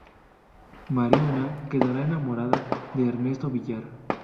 Mariona quedará enamorada de Ernesto Villar.